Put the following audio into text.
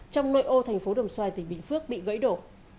trong nội ô thành phố đồng xoài tỉnh bình phước bị gãy đổ